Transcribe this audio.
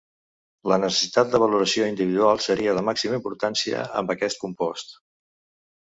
La necessitat de valoració individual seria de màxima importància amb aquest compost.